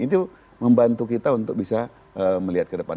itu membantu kita untuk bisa melihat ke depan